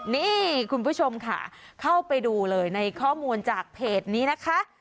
นี่คุณผู้ชมค่ะเข้าไปดูเลยในข้อมูลจากเพจนี้นะคะ